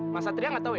mas satria gak tahu ya